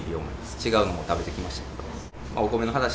違うのも食べてきましたけど。